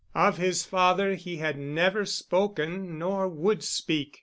Of his father he had never spoken, nor would speak.